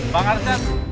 bang arjan basicnya